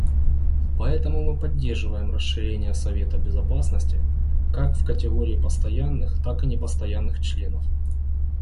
Поэтому мы поддерживаем расширение Совета Безопасности как в категории постоянных, так и непостоянных членов.